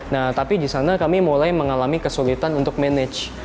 nah tapi di sana kami mulai mengalami kesulitan untuk manage